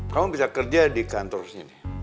kamu bisa kerja di kantor sini